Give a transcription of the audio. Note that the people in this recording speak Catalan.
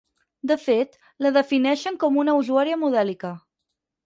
De fet, la defineixen com una usuària modèlica.